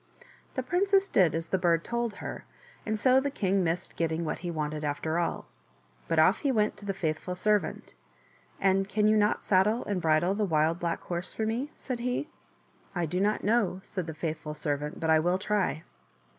The princess did as the bird told her, and so the king missed getting what he wanted after all. But off he went to the faithful servant. " And can you not saddle and bridle the Wild Black Horse for me ?" said he. I do not know," said the faithful servant, " but I will try."